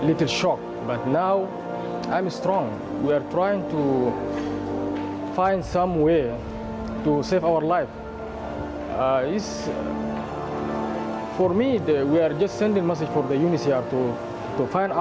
untuk saya kami hanya mengirim pesan kepada unhcr untuk mencari solusi untuk kami